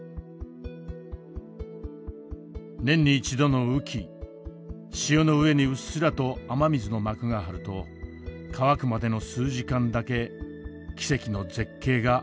年に一度の雨季塩の上にうっすらと雨水の膜が張ると乾くまでの数時間だけ奇跡の絶景が現れます。